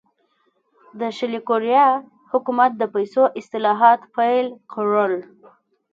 د شلي کوریا حکومت د پیسو اصلاحات پیل کړل.